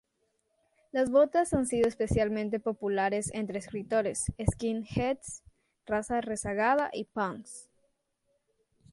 Las botas han sido especialmente populares entre escritores, skinheads, raza rezagada y punks.